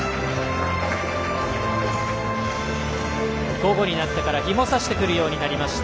午後になってから日もさしてくるようになってきました